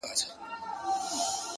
ستا د ژبې کيفيت او معرفت دی!!